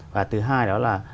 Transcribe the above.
và thứ hai đó là